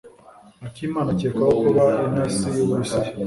Akimana akekwaho kuba intasi y'Uburusiya.